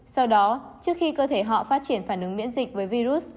sau đó trước khi cơ thể họ phát triển phản ứng miễn dịch với virus